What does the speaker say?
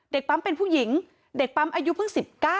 ปั๊มเป็นผู้หญิงเด็กปั๊มอายุเพิ่ง๑๙